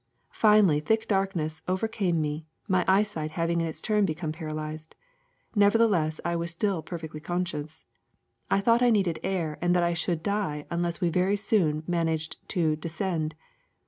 Finally thick darkness came over me, my eyesight having in its turn become paralyzed. Nevertheless I was still perfectly conscious. I thought I needed air and that I should die unless we could very soon manage to de scend.